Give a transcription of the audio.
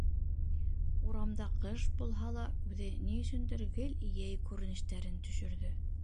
Урамда ҡыш булһа ла, үҙе ни өсөндөр гел йәй күренештәрен төшөрҙө.